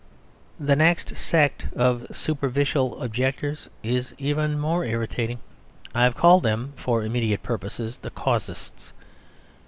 The next sect of superficial objectors is even more irritating. I have called them, for immediate purposes, the Casuists.